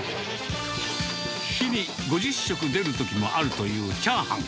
日々５０食出るときもあるというチャーハン。